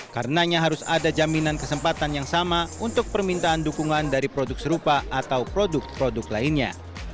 karenanya harus ada jaminan kesempatan yang sama untuk permintaan dukungan dari produk serupa atau produk produk lainnya